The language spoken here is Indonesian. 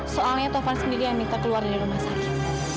soalnya tovan sendiri yang minta keluar dari rumah sakit